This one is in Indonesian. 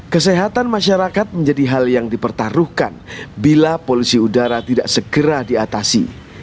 kesehatan masyarakat menjadi hal yang dipertaruhkan bila polusi udara tidak segera diatasi